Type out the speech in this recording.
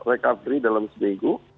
recovery dalam seminggu